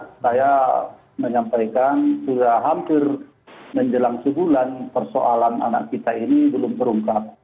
saya menyampaikan sudah hampir menjelang sebulan persoalan anak kita ini belum terungkap